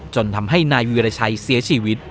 จนทำให้นายวีรชัยเสียชีวิต